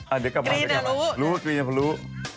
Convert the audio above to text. อ่าเดี๋ยวก่อนรู้รู้